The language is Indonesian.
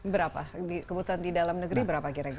berapa kebutuhan di dalam negeri berapa kira kira